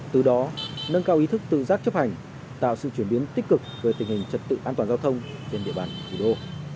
từ đó nâng cao ý thức tự giác chấp hành tạo sự chuyển biến tích cực về tình hình trật tự an toàn giao thông trên địa bàn thủ đô